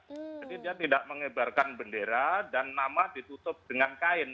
jadi dia tidak mengibarkan bendera dan nama ditutup dengan kain